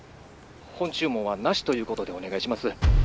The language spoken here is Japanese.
本注文はなしということでお願いします。